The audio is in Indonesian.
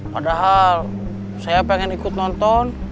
padahal saya ingin ikut nonton